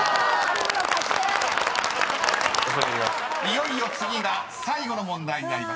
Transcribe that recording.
［いよいよ次が最後の問題になります］